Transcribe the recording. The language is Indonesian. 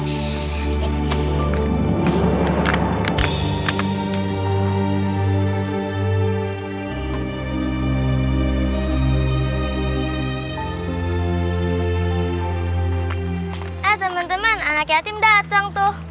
eh teman teman anak yatim dateng tuh